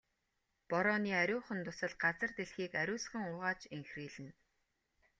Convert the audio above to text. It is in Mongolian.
Борооны ариухан дусал газар дэлхийг ариусган угааж энхрийлнэ.